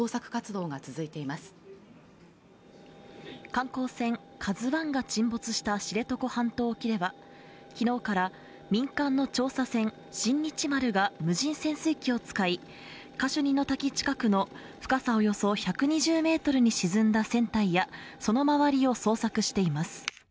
観光船「ＫＡＺＵ１」が沈没した知床半島沖では昨日から民間の調査船「新日丸」が無人潜水機を使いカシュニの滝近くの深さおよそ１２０メートルに沈んだ船体やその周りを捜索しています